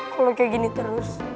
kalau kayak gini terus